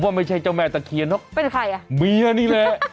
ไม่ใช่เจ้าแม่ตะเคียนเนอะเป็นใครอ่ะเมียนี่แหละ